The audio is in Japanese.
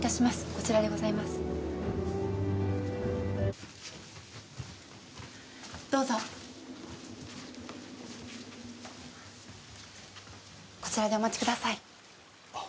こちらでお待ちください。